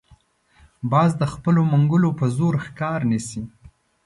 باز د خپلو منګولو په زور ښکار نیسي